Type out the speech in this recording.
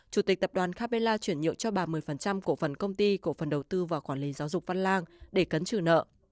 chủ tịch tập đoàn capella chuyển nhượng cho bà một mươi cổ phần công ty cổ phần đầu tư và quản lý giáo dục văn lang để cấn trừ nợ